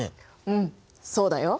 うんそうだよ。